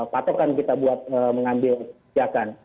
patokan kita buat mengambil kebijakan